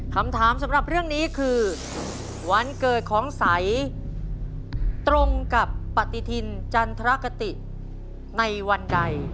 คำถามสำหรับเรื่องนี้คือวันเกิดของใสตรงกับปฏิทินจันทรกติในวันใด